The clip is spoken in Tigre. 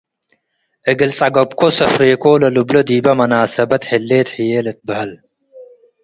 እግል ጸገብኮ ሰፍሬኮ ለልብሎ ዲበ መናሰበት ህሌት ህዬ ልትበሀል ።